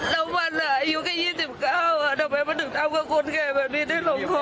แล้ววันล่ะอายุแค่๒๙ทำไมมันถึงทำกับคนแก่แบบนี้ได้ลงคอ